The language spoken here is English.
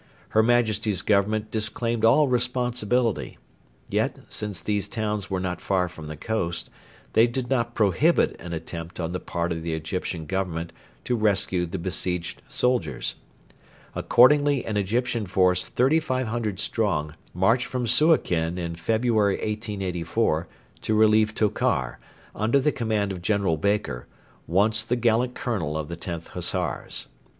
Her Majesty's Government disclaimed all responsibility. Yet, since these towns were not far from the coast, they did not prohibit an attempt on the part of the Egyptian Government to rescue the besieged soldiers. Accordingly an Egyptian force 3,500 strong marched from Suakin in February 1884 to relieve Tokar, under the command of General Baker, once the gallant colonel of the 10th Hussars.